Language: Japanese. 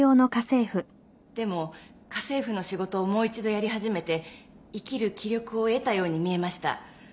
でも家政婦の仕事をもう一度やり始めて生きる気力を得たように見えました。